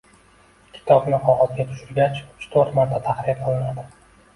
Kitobni qog‘ozga tushirgach, uch-to‘rt marta tahrir qilinadi.